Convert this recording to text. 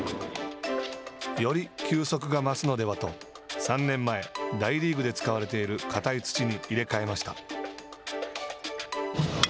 「より球速が増すのでは」と３年前、大リーグで使われている硬い土に入れ替えました。